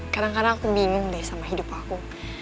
kadang kadang aku bingung deh sama hidup aku